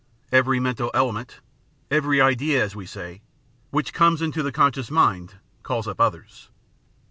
Every mental element, every idea as we say, which comes into the conscious mind, calls up others.